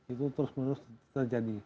itu terus menerus terjadi